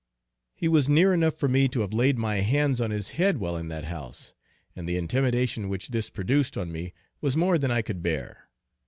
He was near enough for me to have laid my hands on his head while in that house and the intimidation which this produced on me was more than I could bear.